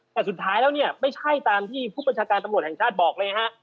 แต่สุดท้ายแล้วเนี่ยไม่ใช่ตามที่ผู้ประชาการตำรวจแห่งชาติบอกเลยฮะ